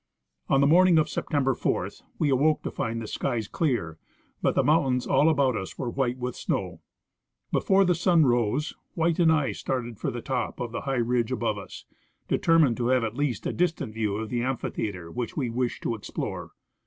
On the morning of September 4 we awoke to find the skies clear, but the mountains all about us were white with snow. Before the sun rose. White and I started for the top of the high ridge above us, determined to have at least a distant view of the amphitheatre which we wished to explore.